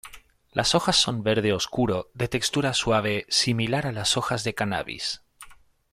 Las hojas son verde oscuro de textura suave similar a las hojas de cannabis.